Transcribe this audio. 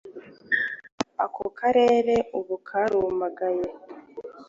Ako karere ubu karumagaye,